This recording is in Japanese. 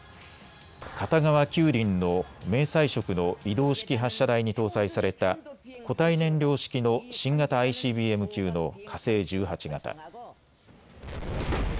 片側９輪の迷彩色の移動式発射台に搭載された固体燃料式の新型ＩＣＢＭ級の火星１８型。